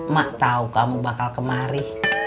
mak tahu kamu bakal kemari